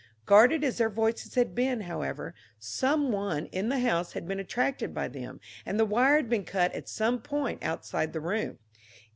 Guarded as their voices had been, however, some one in the house had been attracted by them, and the wire had been cut at some point outside the room.